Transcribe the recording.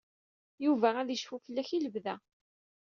Yuba ad yecfu fell-ak i lebda.